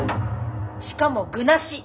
しかも具なし。